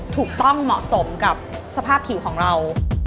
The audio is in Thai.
ถูกต้องเหมาะสมกับสภาพผิวของเรา